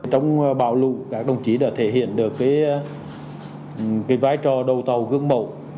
trong bão lù các đồng chí đã thể hiện được cái vai trò đầu tàu gương mộ